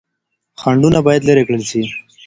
خنډونه بايد لري کړل سي.